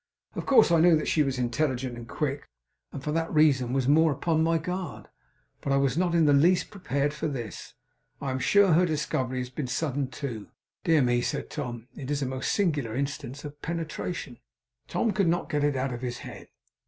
Of course I knew that she was intelligent and quick, and for that reason was more upon my guard; but I was not in the least prepared for this. I am sure her discovery has been sudden too. Dear me!' said Tom. 'It's a most singular instance of penetration!' Tom could not get it out of his head.